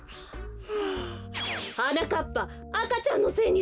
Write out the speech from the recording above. はなかっぱあかちゃんのせいにするの？